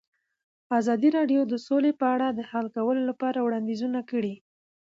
ازادي راډیو د سوله په اړه د حل کولو لپاره وړاندیزونه کړي.